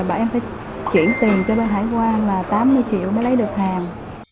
và em phải chuyển tiền cho bên hải quan là tám mươi triệu mới lấy được hàng